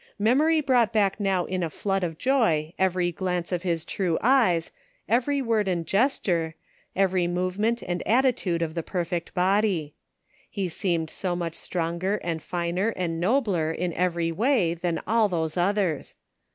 Memory brought bade now in a flood of joy every glance of his true eyes, every word and gesture, every movement and attitude of the perfect body. He seemed so much stronger and finer and nobler in every way than all those others.